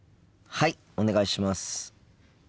はいお願いします。